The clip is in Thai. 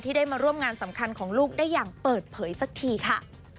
ได้มาร่วมงานสำคัญของลูกได้อย่างเปิดเผยสักทีค่ะ